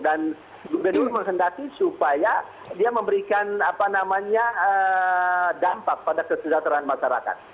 dan gubernur menghendaki supaya dia memberikan dampak pada kesejahteraan masyarakat